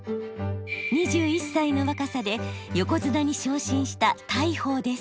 ２１歳の若さで横綱に昇進した大鵬です。